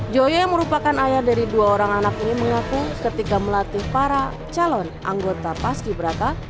joyo yang merupakan ayah dari dua orang anak ini mengaku ketika melatih para calon anggota paski beraka